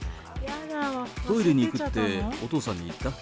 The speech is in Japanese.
トイレに行くってお父さんに言った？